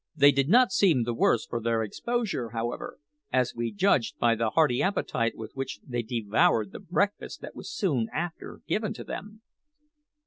They did not seem the worse for their exposure, however, as we judged by the hearty appetite with which they devoured the breakfast that was soon after given to them.